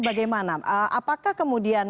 bagaimana apakah kemudian